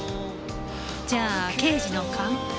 じゃあ刑事の勘？